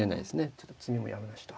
ちょっと詰みもやむなしと。